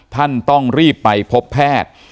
ท่านต้องรีบไปพบแพทย์